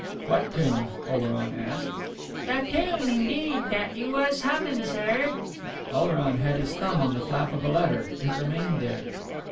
"What tune?" Oleron asked. "The tune, indeed, that you was humming, sir." Oleron had his thumb in the flap of a letter. It remained there.